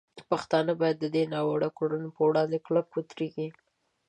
پښتانه باید د دې ناوړه کړنو په وړاندې کلک ودرېږي.